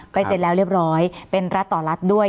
เสร็จแล้วเรียบร้อยเป็นรัฐต่อรัฐด้วย